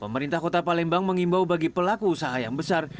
pemerintah kota palembang mengimbau bagi pelaku usaha yang besar